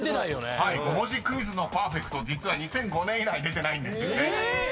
［５文字クイズのパーフェクト実は２００５年以来出てないんですよね］